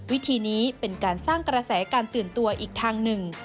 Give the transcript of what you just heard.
วิธีนี้เป็นการสร้างกระแสการตื่นตัวอีกทางหนึ่ง